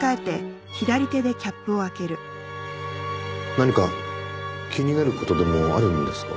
何か気になる事でもあるんですか？